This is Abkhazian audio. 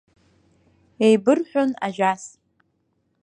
Еибырҳәон ажәас.